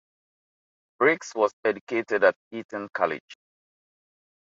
Briggs was educated at Eton College.